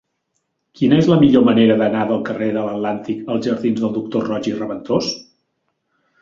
Quina és la millor manera d'anar del carrer de l'Atlàntic als jardins del Doctor Roig i Raventós?